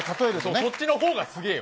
こっちのほうがすげえよ。